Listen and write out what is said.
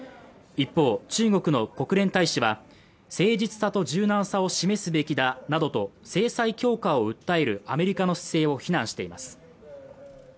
一方、中国の国連大使は誠実さと柔軟さを示すべきだなどと制裁強化を訴えるアメリカの姿勢を非難しています